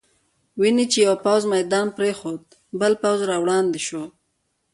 وینې چې یو پوځ میدان پرېښود، بل پوځ را وړاندې شو.